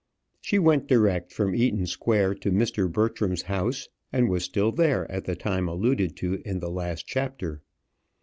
She went direct from Eaton Square to Mr. Bertram's house; and was still there at the time alluded to in the last chapter.